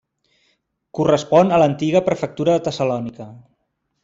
Correspon a l'antiga prefectura de Tessalònica.